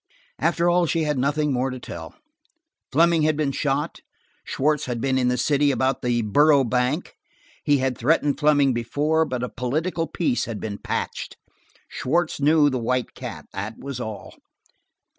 After all she had nothing more to tell. Fleming had been shot; Schwartz had been in the city about the Borough Bank; he had threatened Fleming before, but a political peace had been patched; Schwartz knew the White Cat. That was all.